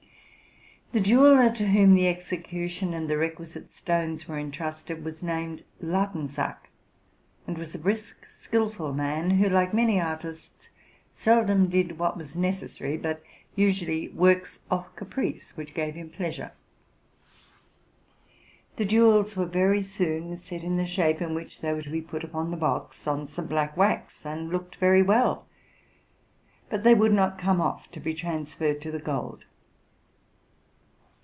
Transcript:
'The jeweller, to whom the execution and the requi site stones were intrusted, was named Lautensak, and was a brisk, skilful man, who, like many artists, seldom did what was necessary, but usually works of caprice, which gave him pleasure. The jewels were very soon set, in the shape in which they were to be put upon the box, on some black wax, and looked very well; but they would not come off to be transferred to the gold.